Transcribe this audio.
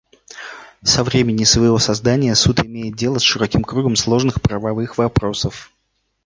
Со времени своего создания Суд имеет дело с широким кругом сложных правовых вопросов.